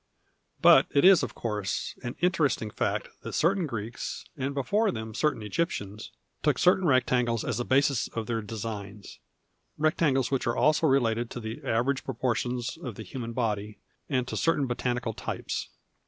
But it is, of course, an interesting fact that certain Greeks, and before them certain Egyptians, took certain rectangles as the basis of their designs — rectangles which are also related to the average proportions of the human body and to certain botanical types.